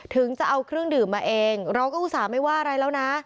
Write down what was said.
ถึงจะเอาเครื่องดื่มมาเองเราก็อุตส่าห์ไม่ว่าอะไรแล้วนะ